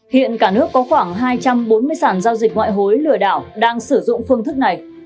hiện cả nước có khoảng hai trăm bốn mươi sản giao dịch ngoại hối lừa đảo đang sử dụng phương thức này